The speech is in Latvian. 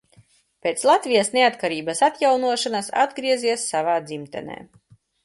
Pēc Latvijas neatkarības atjaunošanas atgriezies savā dzimtenē.